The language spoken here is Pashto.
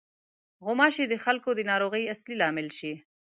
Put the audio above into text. غوماشې د خلکو د ناروغۍ اصلي لامل شي.